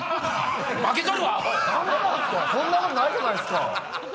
そんなことないじゃないですか！